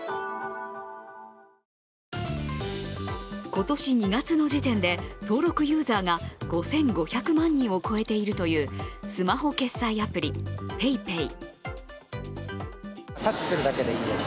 今年２月の時点で登録ユーザーが５５００万人を超えているというスマホ決済アプリ、ＰａｙＰａｙ。